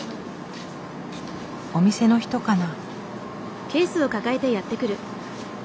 お店の人かな？